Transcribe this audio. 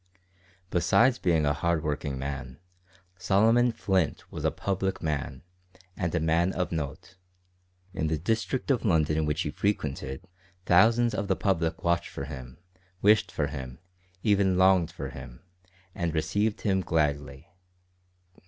Besides being a hard working man, Solomon Flint was a public man, and a man of note. In the district of London which he frequented, thousands of the public watched for him, wished for him, even longed for him, and received him gladly.